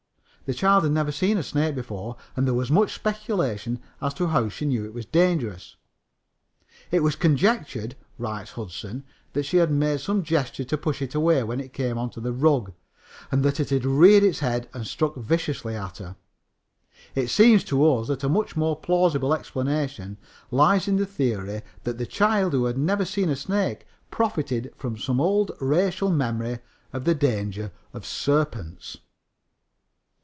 The child had never seen a snake before, and there was much speculation as to how she knew it was dangerous. "It was conjectured," writes Hudson, "that she had made some gesture to push it away when it came onto the rug, and that it had reared its head and struck viciously at her." It seems to us that a much more plausible explanation lies in the theory that this child who had never seen a snake profited from some old racial memory of the danger of serpents.